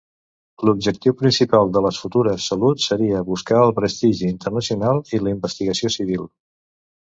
L'objectiu principal de les futures Salut seria buscar el prestigi internacional i la investigació civil.